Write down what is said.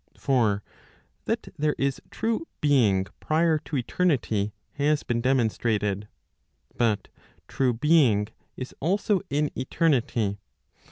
For that there is true being prior to eternity has been demonstrated. But true being is also in eternity.